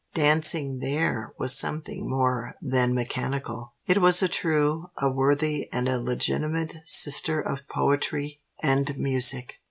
Dancing there was something more than mechanical: it was a true, a worthy, and a legitimate sister of poetry and music.